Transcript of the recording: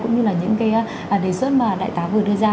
cũng như là những cái đề xuất mà đại tá vừa đưa ra